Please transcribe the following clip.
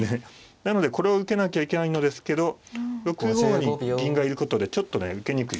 なのでこれを受けなきゃいけないのですけど６五に銀がいることでちょっとね受けにくい。